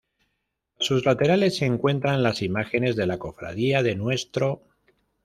A sus laterales se encuentran las imágenes de la Cofradía de Ntro.